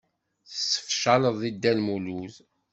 Tessefcaleḍ deg Dda Lmulud.